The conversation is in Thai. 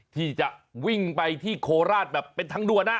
ที่จะวิ่งไปที่โคราชแบบเป็นทางด่วน